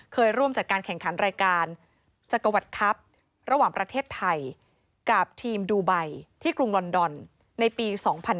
เคยร่วมจัดการแข่งขันรายการจักรวรรดิครับระหว่างประเทศไทยกับทีมดูไบที่กรุงลอนดอนในปี๒๕๕๙